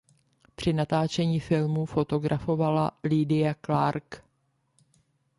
Při natáčení filmu fotografovala Lydia Clarke.